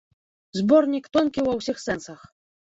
Зборнік тонкі ва ўсіх сэнсах.